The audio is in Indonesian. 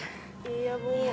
lagi pada belajar ya